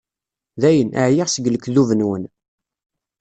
Dayen, εyiɣ seg lekdub-nwen.